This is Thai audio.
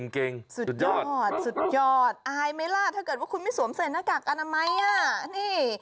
เก่งสุดยอดสุดยอดอายไหมล่ะถ้าเกิดว่าคุณไม่สวมใส่หน้ากากอนามัยอ่ะนี่